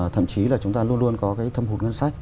thậm chí là chúng ta luôn luôn có cái thâm hụt ngân sách